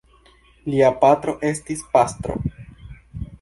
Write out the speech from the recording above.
Lia patro estis pastro.